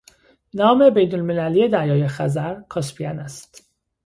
نام بینالمللی دریای خزر، کاسپین است